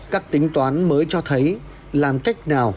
các tính toán mới cho thấy làm cách nào